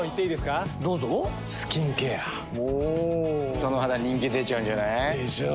その肌人気出ちゃうんじゃない？でしょう。